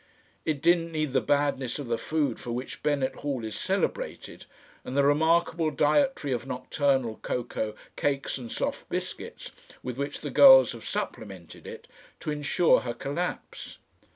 It didn't need the badness of the food for which Bennett Hall is celebrated and the remarkable dietary of nocturnal cocoa, cakes and soft biscuits with which the girls have supplemented it, to ensure her collapse.